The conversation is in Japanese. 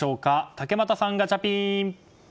竹俣さん、ガチャピン。